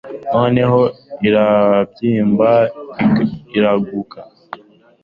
Noneho irongera irabyimba iraguka